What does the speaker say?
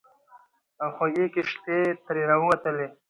او خوږې کیښتې ترې راووتلې.